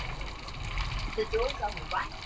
エリザベス女王杯に私の全てをかけて勝ちにいきます。